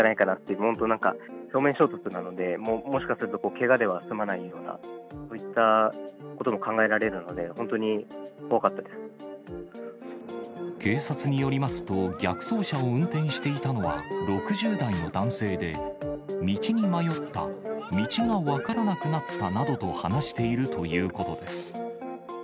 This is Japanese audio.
本当なんか、正面衝突なのでもしかするとけがでは済まないような、そういったことも考えられるので、警察によりますと、逆走車を運転していたのは６０代の男性で、道に迷った、道が分からなくなったなどと話しているということです。